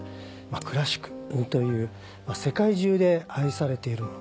クラシックという世界中で愛されているもの。